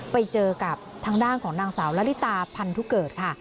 ไปเจอกับทางด้านของนางสาวละลิตาพันธุเกิดค่ะ